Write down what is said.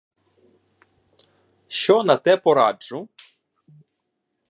Що на те пораджу?